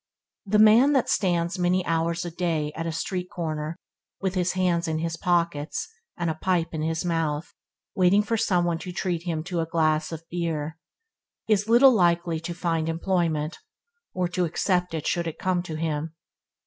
The man that stands many hours a day at a street corner with his hands in his pockets and a pipe in his mouth, waiting for some one to treat him to a glass of beer, is little likely to find employment, or to accept it should it come to him.